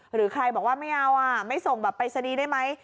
หรือใครบอกว่าไม่เอาไม่ส่งแบบปริศนีย์ได้ไหม